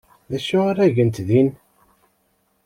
D acu ara gent din?